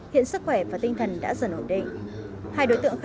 hiện sức khỏe và tinh thần đã dần ổn định